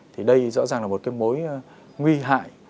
thì đây rõ ràng là một cái mối nguy hại